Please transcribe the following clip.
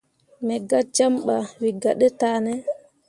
Me gah jam ɓah wǝ gah ɗe tah ne.